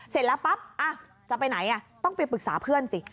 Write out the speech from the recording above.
เสร็จแล้วปั๊บจะไปไหนต้องไปปรึกษาเพื่อนสิ